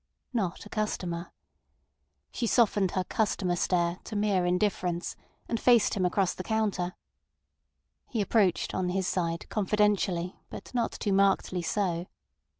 Not a customer. She softened her "customer stare" to mere indifference, and faced him across the counter. He approached, on his side, confidentially, but not too markedly so.